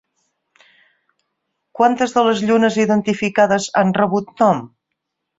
Quantes de les llunes identificades han rebut nom?